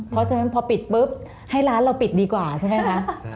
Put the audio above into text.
เพราะฉะนั้นพอปิดปุ๊บให้ร้านเราปิดดีกว่าใช่ไหมคะ